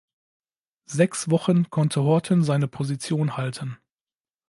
Sechs Wochen konnte Horton seine Position halten.